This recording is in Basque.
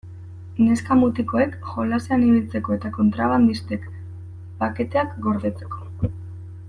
Neska-mutikoek jolasean ibiltzeko eta kontrabandistek paketeak gordetzeko.